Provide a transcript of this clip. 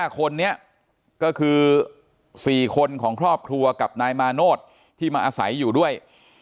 ๕คนนี้ก็คือ๔คนของครอบครัวกับนายมาโนธที่มาอาศัยอยู่ด้วย